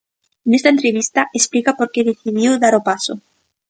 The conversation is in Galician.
Nesta entrevista, explica por que decidiu dar o paso.